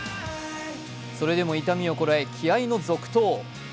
それでも痛みをこらえ、気合いの続投。